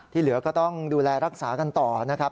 เหลือก็ต้องดูแลรักษากันต่อนะครับ